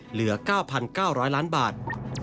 เหลือ๙๙๐๐ล้านบาท